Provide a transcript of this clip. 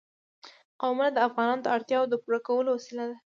قومونه د افغانانو د اړتیاوو د پوره کولو وسیله ده.